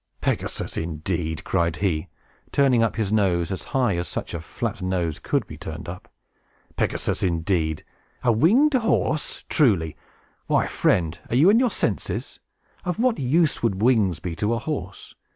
"Pegasus, indeed!" cried he, turning up his nose as high as such a flat nose could be turned up, "Pegasus, indeed! A winged horse, truly! Why, friend, are you in your senses? Of what use would wings be to a horse?